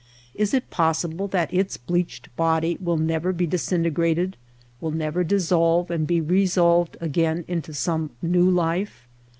Is it possible that its bleached body will never be disintegrated, will never dissolve and be resolved again into some new life